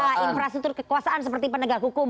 soal infrastruktur kekuasaan seperti penegak hukum